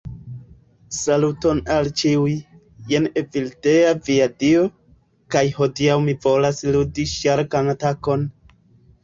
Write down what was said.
Saluton al ĉiuj, jen Evildea via dio, kaj hodiaŭ mi volas ludi Ŝarkan Atakon.